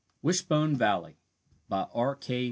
WISHBONE VALLEY BY R. K.